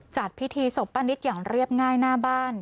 จัดพิธีศพป้านิตอย่างเรียบง่ายหน้าบ้าน